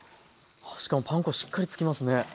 あしかもパン粉しっかりつきますね。